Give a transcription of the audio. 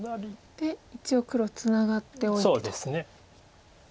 で一応黒ツナがっておいてと。